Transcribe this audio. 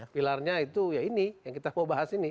pilarnya itu ya ini yang kita mau bahas ini